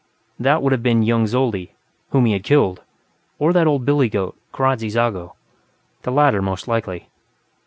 That would have been young Zoldy, whom he had killed, or that old billy goat, Kradzy Zago; the latter, most likely.